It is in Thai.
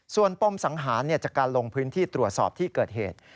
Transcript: ส่วนปมสังหารจากการลงพื้นที่ตรวจสอบที่เกิดเหตุ